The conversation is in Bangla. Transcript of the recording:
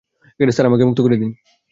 স্যার, আমাকে মুক্ত করে দিন।